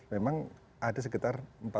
memang ada sekitar